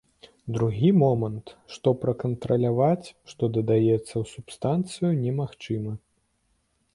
Другі момант, што пракантраляваць, што дадаецца ў субстанцыю, немагчыма.